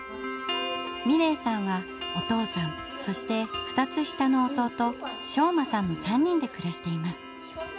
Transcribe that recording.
美礼さんはお父さんそして２つ下の弟将真さんの３人で暮らしています。